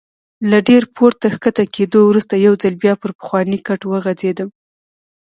له ډېر پورته کښته کېدو وروسته یو ځل بیا پر پخواني کټ وغځېدم.